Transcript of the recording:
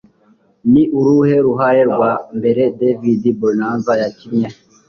Ni uruhe ruhare rwa mbere David Boreanaz yakinnye?